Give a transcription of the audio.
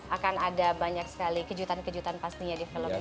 akan ada banyak sekali kejutan kejutan pastinya di film ini